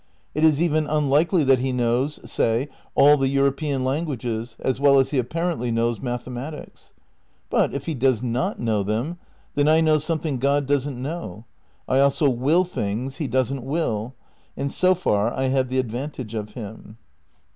It is even unlikely that he knows, say, all the European languages as well as he apparently knows mathematics. But, if he does not know them, then I know something God doesn't know. I also will things he doesn't will; and so far I have the advantage of him.